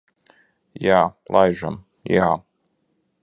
Jā, laižam. Jā.